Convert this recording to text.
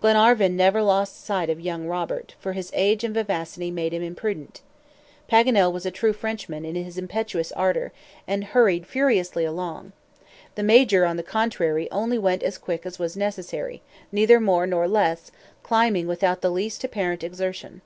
Glenarvan never lost sight of young Robert, for his age and vivacity made him imprudent. Paganel was a true Frenchman in his impetuous ardor, and hurried furiously along. The Major, on the contrary, only went as quick as was necessary, neither more nor less, climbing without the least apparent exertion.